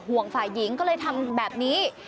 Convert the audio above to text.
ฝ่ายหญิงก็เลยทำแบบนี้